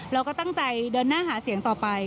เราก็ตั้งใจเดินหน้าหาเสียงต่อไป